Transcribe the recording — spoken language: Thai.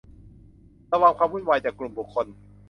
ระวังความวุ่นวายจากกลุ่มบุคคล